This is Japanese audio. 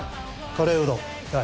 カレーうどん大。